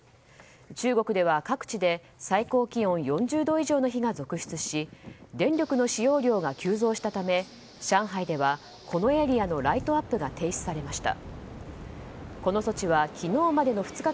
中国では各地で最高気温４０度以上の日が続出し電力の使用量が急増したため上海ではこのエリアのライトアップが停止されました。